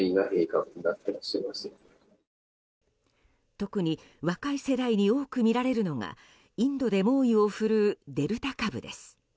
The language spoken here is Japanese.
特に若い世代に多く見られるのがインドで猛威を振るうデルタ株です。